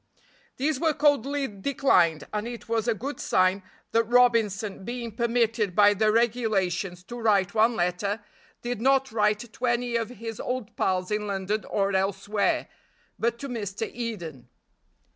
These were coldly declined; and it was a good sign that Robinson, being permitted by the regulations to write one letter, did not write to any of his old pals in London or elsewhere, but to Mr. Eden.